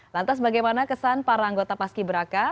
lantas bagaimana kesan para anggota paski beraka